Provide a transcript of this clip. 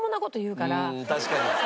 うん確かに。